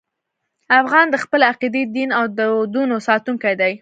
افغان د خپلې عقیدې، دین او دودونو ساتونکی دی.